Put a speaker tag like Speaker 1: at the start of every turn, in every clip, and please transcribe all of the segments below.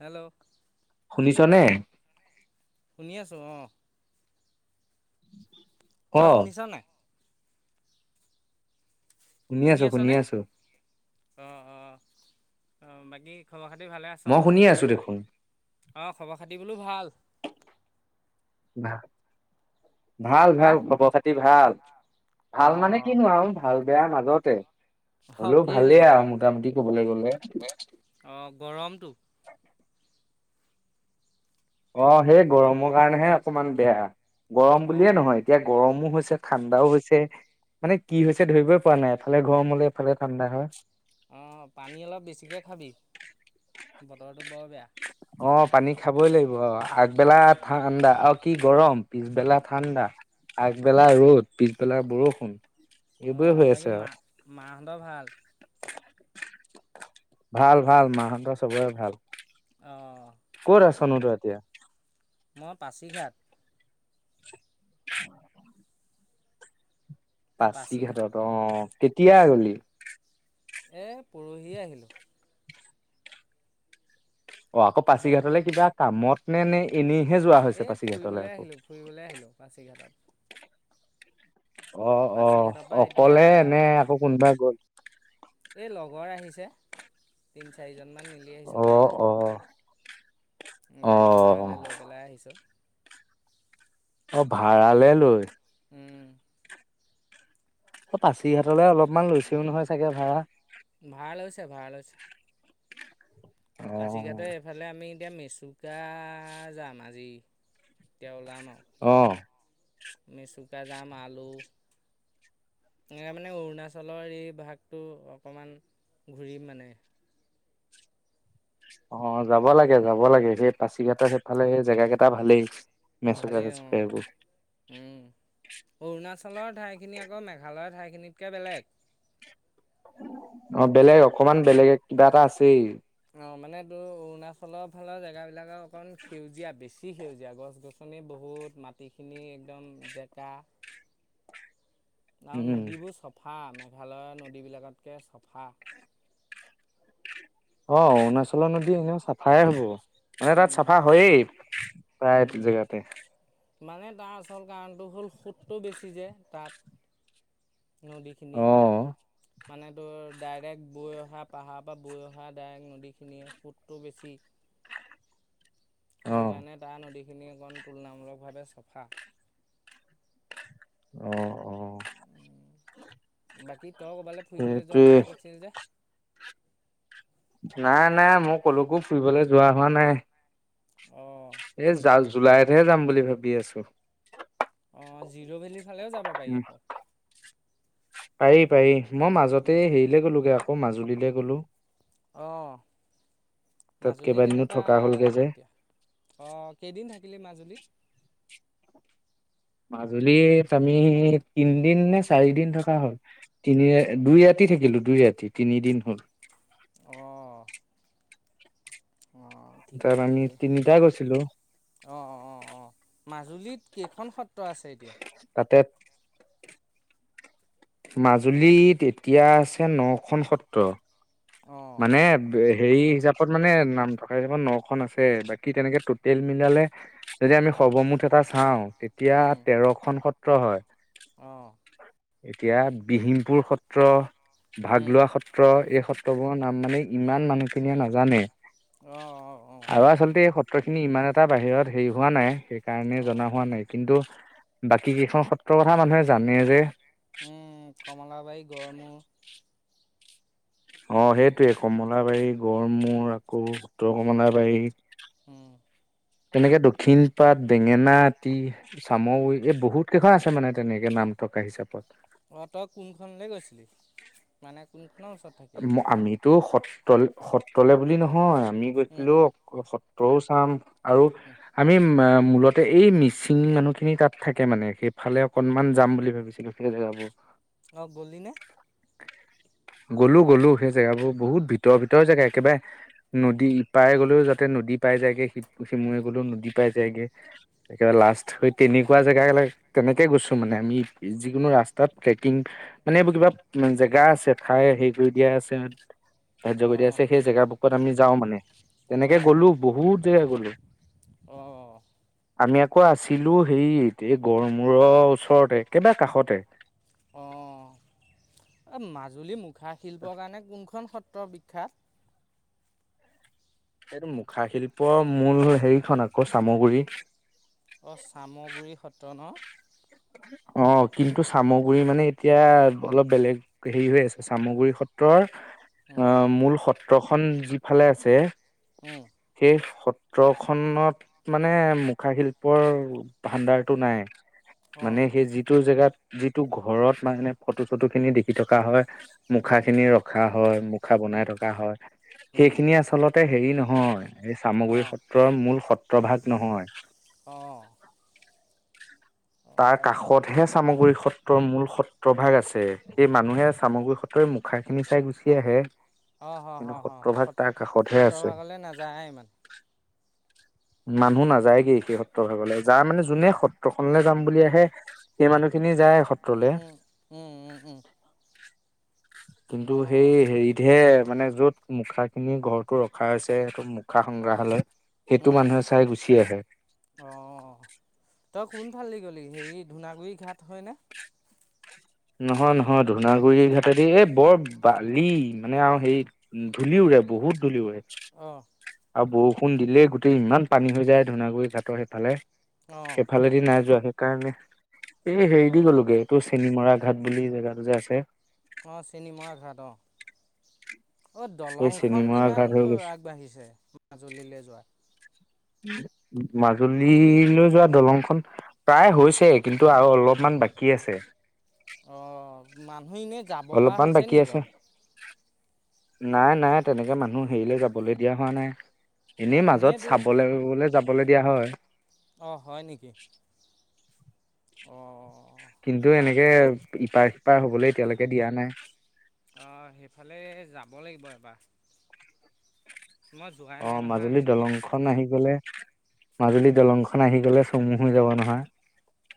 Speaker 1: Hello.
Speaker 2: শুনিছ নে?
Speaker 1: শুনি আছো। অ'।
Speaker 2: অ
Speaker 1: তই শুনিছ নে? শুনি আছনে? অ' অ'। অ' বাকী খবৰ-খাতি? ভালে আছ?
Speaker 2: মই শুনি আছো দেখোন।
Speaker 1: অ' খবৰ-খাতি বোলো ভাল?
Speaker 2: ভা ভাল
Speaker 1: হা
Speaker 2: ভাল। খবৰ-খাতি ভাল। ভাল মানে
Speaker 1: অঁ
Speaker 2: কিনো আৰু ভাল। বেয়াৰ মাজতে
Speaker 1: অঁ
Speaker 2: হ'লেও
Speaker 1: কেলেই
Speaker 2: ভালেই আৰু মোটামুটি ক'বলৈ গলে।
Speaker 1: অঁ গৰমটো
Speaker 2: অ' সেই গৰমৰ কাৰণেহে অকমান বেয়া। গৰম বুলিয়ে
Speaker 1: অঁ
Speaker 2: নহয়, এতিয়া গৰমো হৈছে, ঠাণ্ডাও হৈছে, মানে কি হৈছে ধৰিবই পৰা নাই! এফালে গৰম হ'লে এফালে ঠাণ্ডা হয়।
Speaker 1: অ' পানী অলপ বেছিকৈ খাবি। বতৰটো বৰ বেয়া।
Speaker 2: অ পানী খাবই লাগিব আৰু। আগবেলা ঠাণ্ডা আৰু কি গৰম। পিছবেলা ঠাণ্ডা, আগবেলা ৰ'দ, পিছবেলা বৰষুণ।
Speaker 1: অ
Speaker 2: এইবোৰে হৈ আছে
Speaker 1: বাকী
Speaker 2: আৰু।
Speaker 1: মা, মাহঁতৰ ভাল?
Speaker 2: ভাল ভাল, মাহঁতৰ চবৰে ভাল।
Speaker 1: আহঁ।
Speaker 2: চনটো এতিয়া?
Speaker 1: মই পাছিঘাট।
Speaker 2: অ [inaudible]
Speaker 1: পাছিঘাট
Speaker 2: পাচিঘাটত অ, কেতিয়া গলি?
Speaker 1: এ পৰহিয়ে আহিলোঁ।
Speaker 2: অ আকৌ
Speaker 1: ব
Speaker 2: পাচিঘাটলে কিবা কামত ম নে এনেই
Speaker 1: এ ফুৰিবলৈ আহিলো ফুৰিবলৈ আহিলো পাছিঘাটত।
Speaker 2: অ অ,
Speaker 1: পাছিঘাটৰ পৰা এতিয়া
Speaker 2: অকলে এনে আকৌ কোনবাই গ'ল?
Speaker 1: এই লগৰ তিনি আহিছে চাৰি কেইজনমান মিলি আহিছো গাড়ী
Speaker 2: অ'
Speaker 1: লৈ।
Speaker 2: অ'
Speaker 1: গাড়ী
Speaker 2: অ'
Speaker 1: ভাড়ালৈ লৈ পেলাই আহিছ।
Speaker 2: অ ভাড়ালে লৈ।
Speaker 1: উম।
Speaker 2: অ পাচিঘাটলে অলপমান লৈছেও নহয় চাগে ভাড়া।
Speaker 1: ভাড়া লৈছে ভাড়া লৈছে। পাচিঘাটে
Speaker 2: অ'
Speaker 1: এইফালে আমি এতিয়া মেচুকা যাম আজি, এতিয়া ওলাম আৰু।
Speaker 2: অহ।
Speaker 1: আমি চুকা জাম আলু, এনেকৈ মানে অৰুণাচলৰ এই ভাগটো অকণমান ঘূৰিম মানে।
Speaker 2: অ যাব লাগে যাব লাগে, সেই পাচিঘাটৰ সেইফালে সেই জেগা কেইটা ভালেই।
Speaker 1: ভালেই
Speaker 2: মেচজ
Speaker 1: অঁ।
Speaker 2: পেব।
Speaker 1: উম। অৰুণাচলৰ ঠাইখিনি আকৌ মেঘালয়ৰ ঠাইখিনিতকে বেলেগ।
Speaker 2: অ বেলেগ অকমান বেলেগে কিবা এটা আছেই।
Speaker 1: অ মানে তোৰ অৰুণাচলৰ ফালৰ জেগাবিলাকৰ অকমান সেউজীয়া বেছি, সেউজীয়া গছ গছনি বহুত মাটিখিনি একদম জেকা আৰু
Speaker 2: উম।
Speaker 1: নদীবোৰ চফা আমে ভালৰ নদীবিলাকতকৈ চাফা।
Speaker 2: অ অৰুণাচলৰ নদী এনেও চাফাই হব। মানে তাত
Speaker 1: উম,
Speaker 2: চাফা হয়েই, প্ৰায়
Speaker 1: উম।
Speaker 2: জেগাতে।
Speaker 1: মানে তাৰ আচল কাৰণটো হ'ল সোতটো বেছি যে তাত। নদিখিনি
Speaker 2: অ
Speaker 1: মানেতো, ডাইৰেক্ট বৈ অহা পাহাৰৰ পৰা বৈ অহা ডাইৰেক্ট নদীখিনিয়ে সোতটো বেছি।
Speaker 2: অ
Speaker 1: সেইটো কাৰণে তাৰ নদী এইখন তুলনামুলকভাৱে চফা।
Speaker 2: অ অ।
Speaker 1: বাকী? তই ক'ৰবালে ফুৰিবলে যোৱাৰ
Speaker 2: সেইটোৱে
Speaker 1: কথা কৈছিল যে?
Speaker 2: নাই নাই মোৰ কলকো ফুৰিবলে যোৱা হোৱা নাই।
Speaker 1: অ',
Speaker 2: হে যাম বুলি ভাবি আছো।
Speaker 1: অঁ জিৰ' ভেলী সফালেও যাব পাৰি আক।
Speaker 2: পৰি পাৰি। মই মাজতে
Speaker 1: উম,
Speaker 2: হেৰিলে গ'লোগে আও আকৌ মাজুলীলে গ'লো।
Speaker 1: অ
Speaker 2: তাত
Speaker 1: মাজুলী
Speaker 2: কেইবাদিনো
Speaker 1: কেনেকুৱা
Speaker 2: থকা হ'লগে যে
Speaker 1: এতিয়া অ কেইদিন থাক থাকিলি মাজুলীত?
Speaker 2: মাজুলীত আমি তিনদিন নে চাৰিদিন থকা হ'ল। তিনি দুই আতি থাকিলো। দুই ৰাতি তিনিদিন হ'ল।
Speaker 1: অঁ। অঁ
Speaker 2: তাত
Speaker 1: ঠিকেই
Speaker 2: আমি
Speaker 1: ঠিকেই
Speaker 2: তিনিটা গৈছিলো
Speaker 1: অঁ অ অঁ অঁ। মাজুলীত কেইখন সত্ৰ আছে এতিয়া?
Speaker 2: তাতে মাজুলীত এতিয়া আছে ন খন সত্ৰ।
Speaker 1: অঁ
Speaker 2: মানে হেৰি হিচাপত মানে নাম থকা হিচাপত ন খন আছে। বাকী তেনেকে টুটেল মিলালে যদি আমি সৰ্বমুঠ এটা চাওঁ তেতিয়া তেৰখন সত ট্ৰ হয়।
Speaker 1: আহ।
Speaker 2: এতিয়া বিহীমপুৰ সত্ৰ ভাগ
Speaker 1: উম
Speaker 2: লোৱা সত্ৰ এই উ্তৱৰ নাম মানে ইমান মানুহখিনিয়ে নাজানে।
Speaker 1: অঁ অঁ অঁ
Speaker 2: আৰু আচলতে স সত্ৰখিনি ইমান এটা বাহিৰত হেৰি হোৱা নাই। কাৰণে
Speaker 1: অঁ
Speaker 2: জনা হোৱা নাই কিন্তু বাকী কেইখন সত্ৰৰ কথা মানুহে জানে যে।
Speaker 1: উম কমলাবাৰী, গড়মূৰ
Speaker 2: অ সেইটোৱে কমলাবাৰী গড়মূৰ আকৌ উত্তৰ কমলাবাৰী
Speaker 1: উম
Speaker 2: তেনেকে দক্ষিণ পাট, বেঙেনা আটি চাম গুৰি এই বহুত কেইখন আছে মানে তেনেকে নাম থকা হিচাপত।
Speaker 1: অঁ তই কোনখনলৈ গৈছিলি? মানে কোনখন
Speaker 2: আমিতো স লে সত্ৰলে বুলি নহয় আমি
Speaker 1: উম
Speaker 2: গৈছিলো অকল স টৌচাম আৰু
Speaker 1: উম
Speaker 2: আমি মা মূলতে এই মিচিং মানুহখিনি তাত থাকে মানে সেইফালে অকনমান যাম বুলি ভাবিছিলো জেগাবোৰ
Speaker 1: অ গলি নে
Speaker 2: গ'লো গ'লো সেই জেগাবোৰ বহুত ভিতৰ ভিতৰ জেগা একেবাৰে নদী ইপাৰে গ'লেও যাতে নদী পাই যায়গে সি সিমূৰে গ'লেও নদী পাই যায়গে একেবাৰে লাষ্ট হৈ তেনেকুৱা জেগাবিলাক তেনেকে গৈছো মানে আমি যিকোনো ৰাস্তাত ট্ৰেকিং মানে এইবোৰ কিবা জেগা আছে ঠাই হেৰি কৰি দিয়া আছে ধাৰ্য কৰি দিয়া
Speaker 1: অঁ
Speaker 2: আছে সেই জেগা বুকত আমি যাওঁ মানে তেনেকে
Speaker 1: অঁ হয়
Speaker 2: গলো বহুত জেগা গলো
Speaker 1: অঁ
Speaker 2: আমি আকৌ আছিলো হেৰিত এই গড় মূৰৰ ওচৰতে একেবাযে কাষতে
Speaker 1: অ এ মাজুলী মুখ মুখা শিল্পৰ কাৰণে কোনখন সত্ৰ সত্ৰ বিখ্যাত
Speaker 2: এইটো মুখাশিল্পৰ মূল হেৰিখন আকৌ চামগুৰি
Speaker 1: অঁ চামগুৰি সত্ৰ ন
Speaker 2: অ কিন্তু চামগুৰি মানে এতিয়া অলপ বেলেগ হেৰি হৈ আছে চামগুৰি সত্ৰৰ অ মূল সত সত্ৰখন যিফালে আছে
Speaker 1: অঁ
Speaker 2: সেই সত ত্ৰ খনত মানে মুখা শিল্পৰ ভাণ্ডাৰটো নাই
Speaker 1: অঁ
Speaker 2: মানে সেই যিটো জেগাত যিটো ঘৰত মানে ফটো চটো খিনি দেখি থকা হয়
Speaker 1: উম
Speaker 2: মুখাখিনি ৰখা হয় মুখা বনাই
Speaker 1: উম
Speaker 2: থকা হয়
Speaker 1: উম
Speaker 2: সেইখিনি আচলতে হেৰি নহয় এই চামগুৰি
Speaker 1: অঁ
Speaker 2: সত্ৰৰ মূল সত্ৰ ত্ৰ ভাগ নহয়
Speaker 1: অঁ
Speaker 2: [inaudible] তাৰ প্ৰভাগ আছে সেই মানুহে চামগুৰি সত্ৰই মুখা খিনি চাই গুচি
Speaker 1: অ',
Speaker 2: আহে
Speaker 1: অ', হ, হ,
Speaker 2: কিন্তু
Speaker 1: হ,
Speaker 2: সত্ৰভাগ
Speaker 1: সত
Speaker 2: তাৰ কাষতহে আছে
Speaker 1: সত্ৰভাগলৈ নাযায় ইমান
Speaker 2: মানুহ নাযায়গে সেই সত্ৰৰ ভাগলে যাৰ মানে যোনে সত্ৰখনলে যাম বুলি আহে সেই মানুহখিনি যায় সত্ৰলে
Speaker 1: উম, উম, উম, উম,
Speaker 2: কিন্তু সেই
Speaker 1: অ',
Speaker 2: হেৰিতহে মানে য'ত মুখাখিনি ঘৰটো ৰখা হৈছে সেইটো মুখা সংগ্ৰাহালয় টো
Speaker 1: উম, হম,
Speaker 2: মানুহে চাই গুচি আহে
Speaker 1: অ', তই কোন ফালি গলি হেৰি ধুনাগুৰি ঘাট হয়নে
Speaker 2: নহয় নহয় ধুনাগুৰি ঘাটেদি এই বৰ বালি মানে আও হেৰি ধূলি উৰে বহুত ধূলি ওৰে
Speaker 1: অহ
Speaker 2: আৰু বৰষুণ দিলেই গোটেই ইমান পানী হৈ যায় ধুনাগুৰি ঘাটৰ সেইফালে
Speaker 1: অ',
Speaker 2: সেইফালেদি নাযোৱা সেই কাৰণে এ হেৰি দি
Speaker 1: অ',
Speaker 2: গ'লোগে তোৰ খেলি মৰা ঘাট বুলি জেগাটো যে আছে
Speaker 1: অ', চিনেমৰা ঘাট অ', অ
Speaker 2: এই
Speaker 1: দলংখন
Speaker 2: চেনিমৰা
Speaker 1: কিমান
Speaker 2: ঘাট হৈ
Speaker 1: দূৰ
Speaker 2: গৈছো
Speaker 1: আগবাঢ়িছে মাজুলীলে যোৱা
Speaker 2: মাজুলীলৈ যোৱা দলংখন প্ৰায় হৈছে কিন্তু আৰু অলপমান বাকী আছে
Speaker 1: অ অকমান অ এনেই যাব পৰা
Speaker 2: অলপমান
Speaker 1: হৈছে
Speaker 2: বাকী
Speaker 1: নি
Speaker 2: আছে
Speaker 1: বাৰু
Speaker 2: নাই নাই তেনেকে মানুহ হেৰিলৈ যাবলৈ দিয়া হোৱা নাই এনেই
Speaker 1: অ',
Speaker 2: মাজত
Speaker 1: এনেইতো
Speaker 2: চাবলেগে কে যাব চাবলে দিয়া হয়
Speaker 1: অঁ হয় নেকি অ
Speaker 2: কিন্তু
Speaker 1: মাজ
Speaker 2: এনেকে
Speaker 1: সেই
Speaker 2: ইপাৰ সিপাৰ হবলে এতিয়ালৈকে দিয়া নাই
Speaker 1: আহ সেইফালে যাব লাগিব এবাৰ মই যোৱাই
Speaker 2: অ
Speaker 1: নাই নহয়
Speaker 2: মাজুলী
Speaker 1: আজিলৈকে
Speaker 2: দলং খন আহি গলে উ মাজুলী দলংখন আহি গলে চমু হৈ যাব নহয়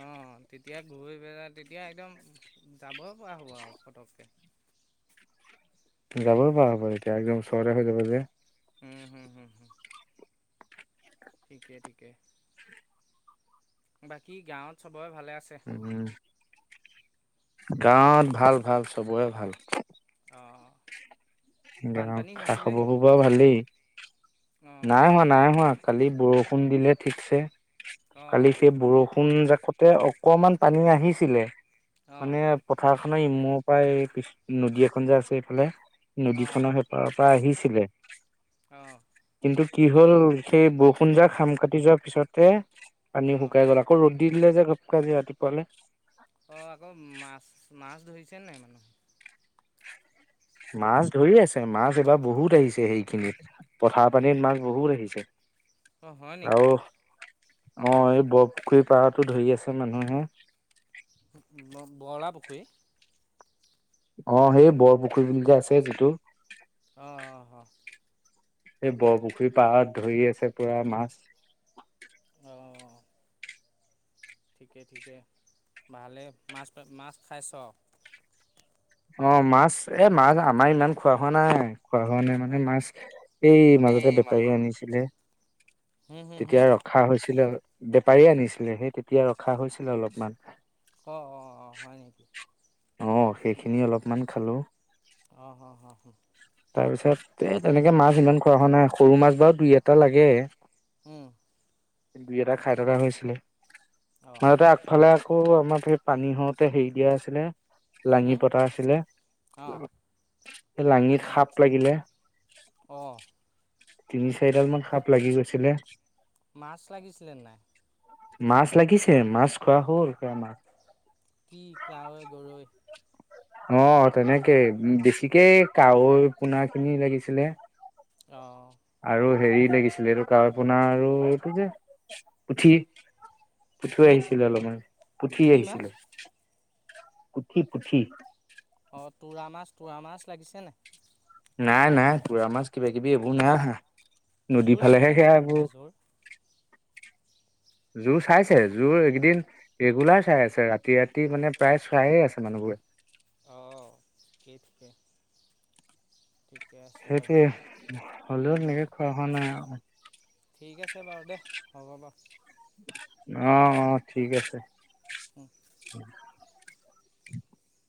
Speaker 1: অহ তেতিয়া ঘূৰি পেলাই তেতিয়া একদম যাব পৰা হ'ব আও পতককে
Speaker 2: যাবই পৱা হ'ব এতিয়া একদম ওচৰতে হৈ যাব যে
Speaker 1: উম হম হম হ ঠিকে ঠিকে বাকী গাঁৱত চব বৰ ভালে আছে
Speaker 2: উম গাঁৱত ভাল ভাল চবৰে ভাল
Speaker 1: অঁ
Speaker 2: গাঁৱৰ
Speaker 1: বানপানী
Speaker 2: খা
Speaker 1: হৈছিলে নেকি
Speaker 2: খবৰবোৰ বাও ভালেই
Speaker 1: অঁ
Speaker 2: নাই হোৱা নাই হোৱা কালি বৰষুণ দিলে ঠিকছে কালি
Speaker 1: অঁ
Speaker 2: সেই বৰষুণ জাক তে অকমান পানী আহিছিলে
Speaker 1: অঁ
Speaker 2: মানে পথাৰ এ ই মৰ পৰা নদী এখন যে আছে এইফালে নদীখনৰ হেপাৰৰ পৰা আহিছে ছিলে
Speaker 1: আহ
Speaker 2: কি হ'ল সেই বৰষুণজাক খাম কাটি যোৱাৰ পিছতে পানী
Speaker 1: অঁ
Speaker 2: শুকাই গ'ল আকৌ ৰদ দি দিলে যে গপকে আজি ৰাতিপুৱালে
Speaker 1: অঁ আকৌ মাছ মাছ ধৰিছে নাই মানে
Speaker 2: মাছ ধৰি আছে মাছ এবাৰ বহুত আহিছে সেইখিনিত পথাৰ পানীত মাছ বহুত আহিছে
Speaker 1: অ হয় নেকি
Speaker 2: আৰু অ এই বৰপুখুৰী পাৰতো ধৰি আছে মানুহে
Speaker 1: ব বৰলা পুখুৰী
Speaker 2: অ সেই বৰপুখুৰী বিল যে আছে যিটো
Speaker 1: অঁ অ অ
Speaker 2: এই বৰপুখুৰী পাৰত ধৰি আছে পুৰা মাছ
Speaker 1: অ ঠিকে ঠিকে ভালে মাছ মাছ খাইছ
Speaker 2: অ মাছ এ মাছ আমাৰ ইমান খোৱা হোৱা নাই খোৱা হোৱা নাই মানে
Speaker 1: অঁ
Speaker 2: মাছ এই মাজতে
Speaker 1: এই মাজত
Speaker 2: বেপাৰীয়ে আনিছিলে
Speaker 1: হুম হুম হুম
Speaker 2: তেতিয়া ৰখা হৈছিলে বেপাৰী আনিছিলে সেই তেতিয়া ৰখা হৈছিলে অলপমান
Speaker 1: অ অ অ হয় নেকি
Speaker 2: আহ সেইখিনি
Speaker 1: অঁ
Speaker 2: অলপমান খালো
Speaker 1: অঁ অঁ অঁ অঁ
Speaker 2: তাৰ পিছত এ তেনেকে মাছ ইমান খোৱা হোৱা নাই সৰু মাছ বাৰু দুই এটা লাগে
Speaker 1: উম
Speaker 2: দুই এটা খাই থকা হৈছিলে
Speaker 1: অঁ
Speaker 2: মতে আগফালে আক আমাৰ পানী হওঁতে হেৰি দিয়া আছিলে লাঙি পতা আছিলে
Speaker 1: অঁ
Speaker 2: সেই লাঙিত
Speaker 1: লা
Speaker 2: সাপ লাগিলে
Speaker 1: অঁ
Speaker 2: তিনি চাৰিডাল মান সাপ লাগি গৈছিলে
Speaker 1: মাছ লাগিছিলে নাই
Speaker 2: মাছ লাগিছে মাছ খোৱা হ'ল খ মাছ
Speaker 1: কি কাৱৈ গৰৈ
Speaker 2: অ তেনেকে বেছিকে কাৱৈ পোনা খিনি লাগিছিলে
Speaker 1: অ
Speaker 2: আৰু হেৰি লাগিছিলে এইটো ক পোনাাৰ আৰু এইটো যে উঠি পুঠি আহিছিলে অলপমান পুঠি
Speaker 1: কি মাছ
Speaker 2: আহিছিলে পুঠি পুঠি
Speaker 1: অঁ তোৰা মাছ তোৰা মাছ লাগিছে নাই
Speaker 2: নাই নাই তোৰা মাছ কিবাাকিবি এইবোৰ নাই অহা নদীৰ
Speaker 1: জোৰ
Speaker 2: ফালেহে
Speaker 1: চাইছে নাই মানুহে জোৰ
Speaker 2: সেয়াবোৰ জোৰ চাইছে জোৰ এইকেইদিন ৰেগুলাৰ চাই আছে ৰাতি ৰাতি মানে প্ৰায় চাইে আছে মানুহবোৰে
Speaker 1: অঁ ঠিক আছে বাৰু
Speaker 2: সেইটোোৱে হ'লেও
Speaker 1: উম
Speaker 2: সেনেকে খোৱা হোৱা নাই।
Speaker 1: ঠিক আছে বাৰু দে হ'ব বাৰু
Speaker 2: অ অ ঠিক আছে [inaudible] [inaudible]